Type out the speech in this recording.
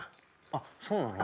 あっそうなの？